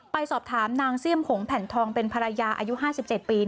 ไปสอบถามนางเสี่ยมหงแผ่นทองเป็นภรรยาอายุ๕๗ปี